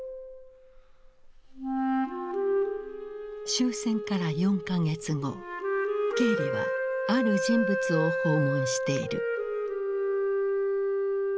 終戦から４か月後ケーリはある人物を訪問している。